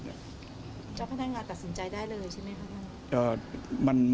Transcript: เจ้าพนักงานตัดสินใจได้เลยใช่ไหมคะ